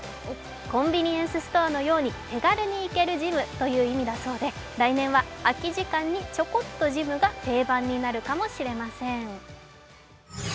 コンビニエンスストアのように手軽に行けるジムという意味だそうで来年は空き時間にちょこっとジムが定番になるかもしれません。